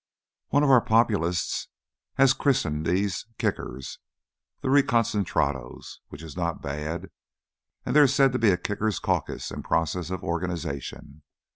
"One of our Populists has christened these 'kickers' 'the reconcentrados;' which is not bad, as there is said to be a kickers' caucus in process of organization.